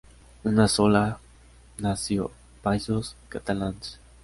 Una sola nació, Països Catalans!